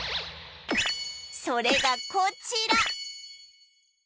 それがこちら